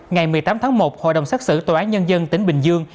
ngày một mươi tám tháng một hội đồng xác xử tòa án nhân dân tỉnh bình dương